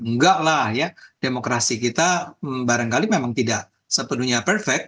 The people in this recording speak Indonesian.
enggak lah ya demokrasi kita barangkali memang tidak sepenuhnya perfect